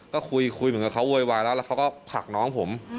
ก็คุยคุยเหมือนกับเขาโวยวายแล้วแล้วเขาก็ผลักน้องผม